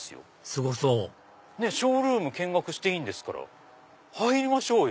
すごそうショールーム見学していいんですから入りましょうよ。